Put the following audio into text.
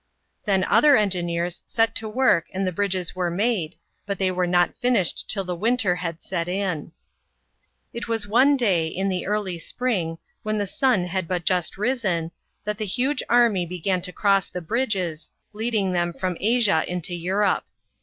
Then other engineers set to work and the bridges were made, but they were not finished till the winter had set in. It was one day, in the early spring, when the sun had but just risen, that the huge army began to cross the bridges, leading them from Asia into Europe.